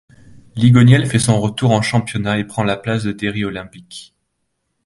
Ligoniel fait son retour en championnat et prend la place de Derry Olympic.